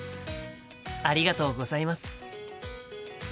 ありがとうございます。